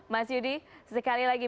mas yudi sekali lagi